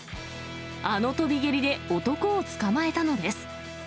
あの跳び蹴りで男を捕まえたのです。